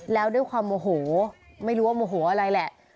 แล้วด้วยความโมโหไม่รู้ว่าโมโหอะไรแหละ